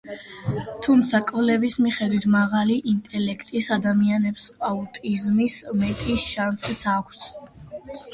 თუმცა, კვლევის მიხედვით, მაღალი ინტელექტის ადამიანებს აუტიზმის მეტი შანსიც აქვთ.